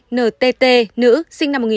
hai ntt nữ sinh năm một nghìn chín trăm chín mươi một